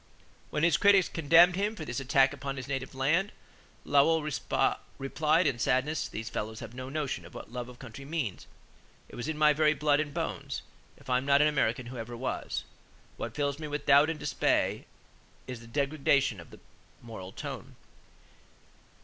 When his critics condemned him for this "attack upon his native land," Lowell replied in sadness: "These fellows have no notion of what love of country means. It was in my very blood and bones. If I am not an American who ever was?... What fills me with doubt and dismay is the degradation of the moral tone.